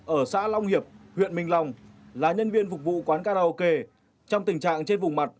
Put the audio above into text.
ở xã long hiệp huyện minh long là nhân viên phục vụ quán karaoke trong tình trạng trên vùng mặt